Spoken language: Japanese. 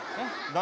誰？